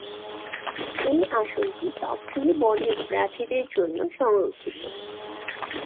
এই আসনটি তফসিলি বর্ণের প্রার্থীদের জন্য সংরক্ষিত।